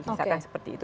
misalkan seperti itu